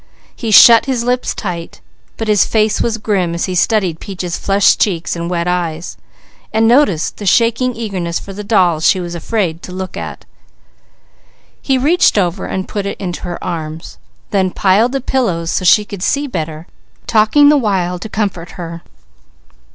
He shut his lips tight, but his face was grim as he studied Peaches' flushed cheeks and wet eyes, and noted the shaking eagerness for the doll she was afraid to look at. He reached over and put it into her arms, then piled the pillows so she could see better, talking the while to comfort her.